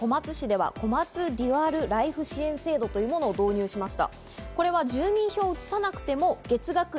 石川県の小松市では、こまつデュアルライフ支援制度というものを導入しました。